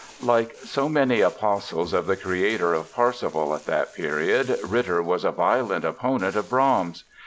Like so many apostles of the creator of Parsifal at that period, Ritter was a violent opponent of Brahms.